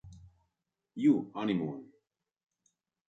You Honeymoon!